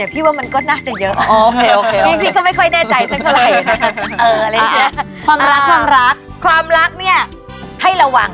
ความรักเนี่ยให้ระวัง